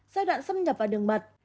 giai đoạn xâm nhập vào đường mật